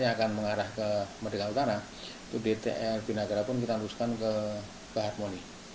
yang akan mengarah ke merdeka utara itu dtr binagera pun kita luskan ke baharmoni